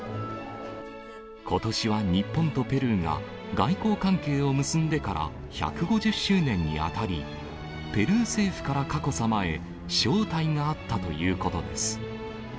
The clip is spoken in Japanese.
ことしは日本とペルーが外交関係を結んでから１５０周年に当たり、ペルー政府から佳子さまへ、招待があったということです。